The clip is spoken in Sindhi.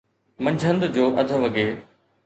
منجھند جو اڌ وڳي